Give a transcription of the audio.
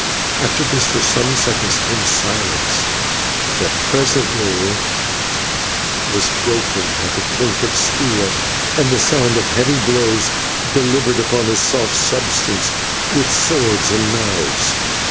After this for some seconds came silence that presently was broken by the clink of steel, and the sound of heavy blows delivered upon a soft substance with swords and knives.